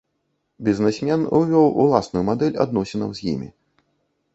Бізнесмен увёў уласную мадэль адносінаў з імі.